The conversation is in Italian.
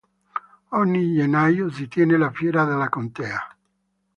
Ogni gennaio si tiene la Fiera della Contea.